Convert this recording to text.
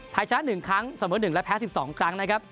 ไทยชนะ๑ครั้งเสมอ๑และแพ้๑๒ครั้งนะครับ